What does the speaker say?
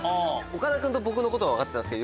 岡田君と僕のことは分かってたんすけど。